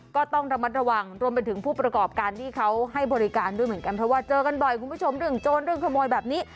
ก็ต้องระมัดระวังรวมไปถึงผู้ประกอบการที่เขาให้บริการด้วยเหมือนกันเพราะว่าเจอกันบ่อยคุณผู้ชมเรื่องโจรเรื่องขโมยแบบนี้